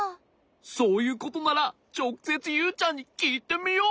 そういうことならちょくせつユウちゃんにきいてみよう。